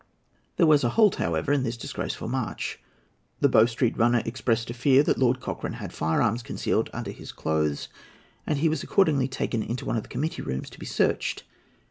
There was a halt, however, in this disgraceful march. The Bow Street runner expressed a fear that Lord Cochrane had firearms concealed under his clothes, and he was accordingly taken into one of the committee rooms to be searched.